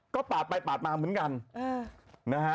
ก็ปาดไปปาดมาเหมือนกันนะฮะ